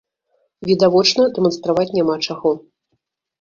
Відавочна, дэманстраваць няма чаго.